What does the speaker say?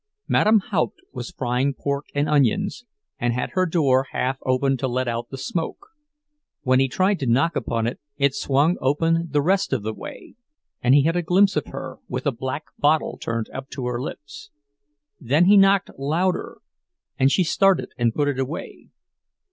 Madame Haupt was frying pork and onions, and had her door half open to let out the smoke. When he tried to knock upon it, it swung open the rest of the way, and he had a glimpse of her, with a black bottle turned up to her lips. Then he knocked louder, and she started and put it away.